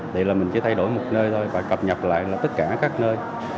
thì là mình chỉ thay đổi một nơi thôi và cập nhật lại là tất cả các nơi